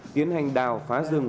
tiến hành đào phá rừng